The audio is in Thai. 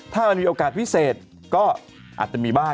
ถ้ามันมีโอกาสพิเศษก็อาจจะมีบ้าน